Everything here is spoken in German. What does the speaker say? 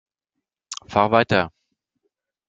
Fahr weiter!